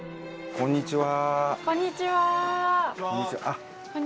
こんにちは。